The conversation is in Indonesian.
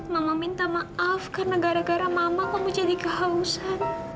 mama minta maaf karena gara gara mama kamu jadi kehausan